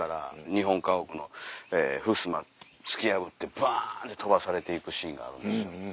日本家屋のふすま突き破ってバンって飛ばされていくシーンがあるんですよ。